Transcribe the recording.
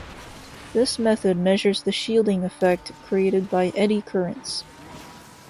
This method measures the shielding effect created by eddy currents.